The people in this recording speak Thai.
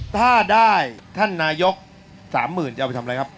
ถ้าได้ท่านนายก๓๐๐๐จะเอาไปทำอะไรครับ